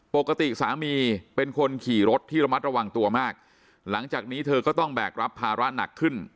ปกติสามีเป็นคนขี่รถที่ระมัดระวังตัวมากหลังจากนี้เธอก็ต้องแบกรับภาระหนักขึ้น